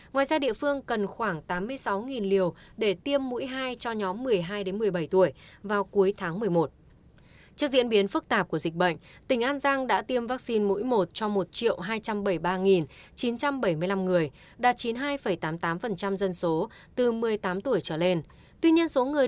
ngoài ra địa phương cần khoảng tám mươi sáu liều để tiêm mũi hai cho nhóm một mươi hai một mươi bảy tuổi vào cuối tháng một mươi một tỉnh